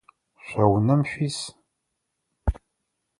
Шъо унэм шъуис?